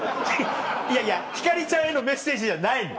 いやいや星ちゃんへのメッセージじゃないの。